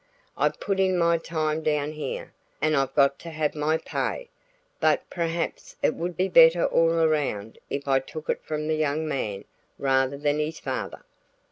I've put in my time down here and I've got to have my pay, but perhaps it would be better all around if I took it from the young man rather than his father."